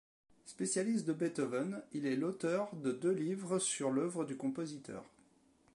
Spécialiste de Beethoven, il est l'auteur de deux livres sur l'œuvre du compositeur.